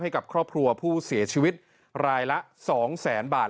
ให้กับครอบครัวผู้เสียชีวิตรายละ๒แสนบาท